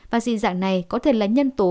vaccine dạng này có thể là nhân tố